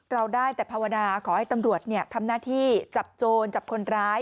เราได้แต่ภาวนาขอให้ตำรวจทำหน้าที่จับโจรจับคนร้าย